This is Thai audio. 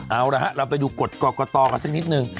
เอาล่ะเราไปดูกฏกรอกกฎอก่อนซักนิดนึง